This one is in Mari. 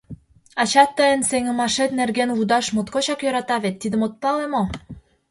Ачат тыйын сеҥымашет нерген лудаш моткочак йӧрата вет, тидым от пале мо?